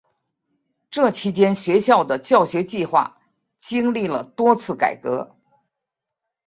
这期间学校的教学计划经历了多次改革。